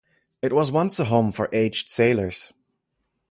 It was once a home for aged sailors.